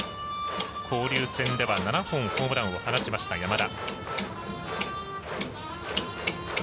交流戦では７本ホームランを放った、山田。